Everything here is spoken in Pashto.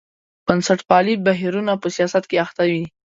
بنسټپالي بهیرونه په سیاست کې اخته دي.